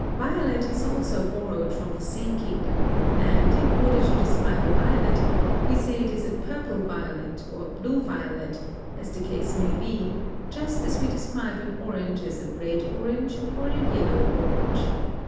Violet is also borrowed from the same kingdom; and, in order to describe a violet, we say it is a purple violet or blue violet, as the case may be, just as we describe an orange as a red orange or a yellow orange.